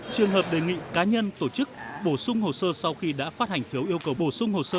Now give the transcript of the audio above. trường hợp đề nghị cá nhân tổ chức bổ sung hồ sơ sau khi đã phát hành phiếu yêu cầu bổ sung hồ sơ